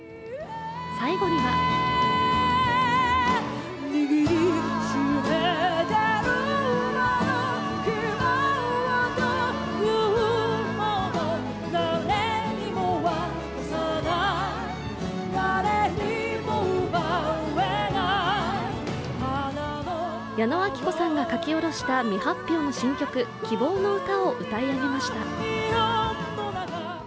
最後には矢野顕子さんが書き下ろした未発表の新曲「希望のうた」を歌い上げました。